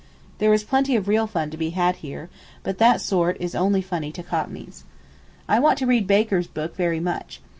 There is plenty of real fun to be had here, but that sort is only funny to cockneys. I want to read Baker's book very much.